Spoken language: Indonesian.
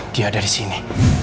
dia ada disini